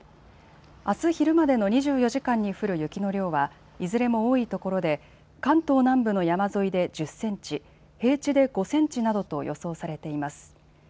あす昼までの２４時間に降る雪の量はいずれも多いところで関東南部の山沿いで１０センチ、平地で５センチなどと予想されています。